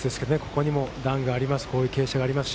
ここにも段があります。